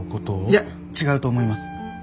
いや違うと思います。